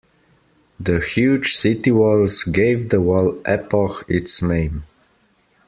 The huge city walls gave the wall epoch its name.